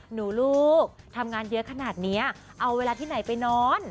ลูกทำงานเยอะขนาดนี้เอาเวลาที่ไหนไปนอน